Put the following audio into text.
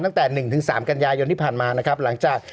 ตั้งแต่๑๓กันยายนที่ผ่านมานะครับหลังจาก